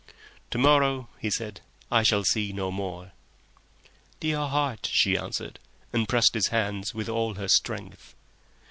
"To morrow," he said, "I shall see no more." "Dear heart!" she answered, and pressed his hands with all her strength.